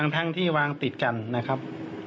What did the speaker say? ทั้งที่วางติดกันนะครับ